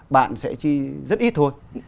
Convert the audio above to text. bạn sẽ chi rất ít thôi